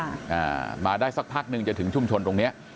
อ่ามาได้สักพักหนึ่งจะถึงชุมชนตรงเนี้ย